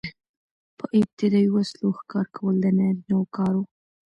په ابتدايي وسلو ښکار کول د نارینه وو کار و.